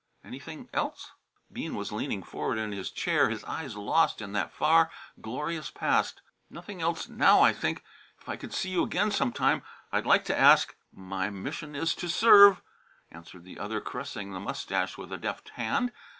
Anything else?" Bean was leaning forward in his chair, his eyes lost in that far, glorious past. "Nothing else, now, I think. If I could see you again some time, I'd like to ask " "My mission is to serve," answered the other, caressing the moustache with a deft hand.